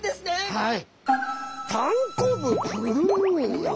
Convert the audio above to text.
はい。